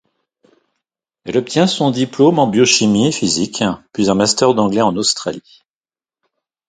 Elle obtient son diplôme en biochimie et physique, puis un master d'anglais en Australie.